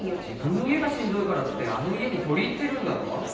自分の家がしんどいからってあの家に取り入ってるんだろ？